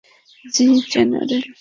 জ্বি, জেনারেল!